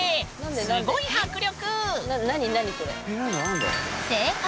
すごい迫力！